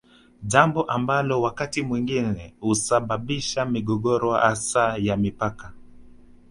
Jambo ambalo wakati mwingine husababisha migogoro hasa ya mipaka